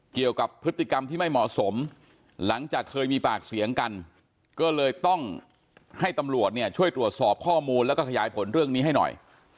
เกี่ยวกับพฤติกรรมที่ไม่เหมาะสมหลังจากเคยมีปากเสียงกันก็เลยต้องให้ตำรวจเนี่ยช่วยตรวจสอบข้อมูลแล้วก็ขยายผลเรื่องนี้ให้หน่อย